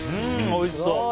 おいしそう！